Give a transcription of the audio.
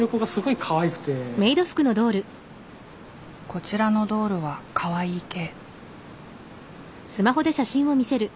こちらのドールはかわいい系。